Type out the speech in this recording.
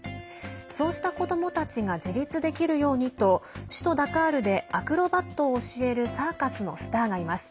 そうした子どもたちが自立できるようにと首都ダカールでアクロバットを教えるサーカスのスターがいます。